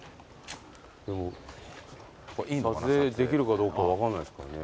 撮影できるかどうか分かんないですからね。